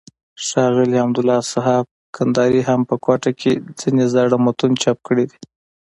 ښاغلي حمدالله صحاف کندهاري هم په کوټه کښي ځينې زاړه متون چاپ کړي دي.